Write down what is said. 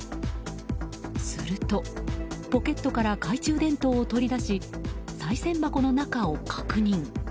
すると、ポケットから懐中電灯を取り出しさい銭箱の中を確認。